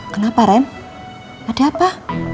kenapa ren ada apa